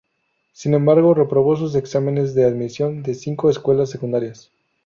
Sin embargo, reprobó sus exámenes de admisión de cinco escuelas secundarias.